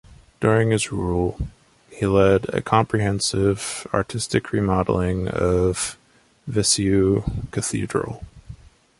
During his rule, he led a comprehensive artistic remodelling of Viseu Cathedral.